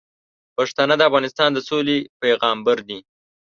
پښتانه د افغانستان د سولې پیغامبر دي.